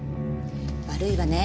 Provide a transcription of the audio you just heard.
悪いわね